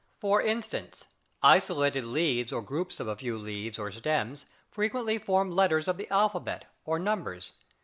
For instance, isolated leaves or groups of a few leaves or stems frequently form letters of the alphabet or numbers.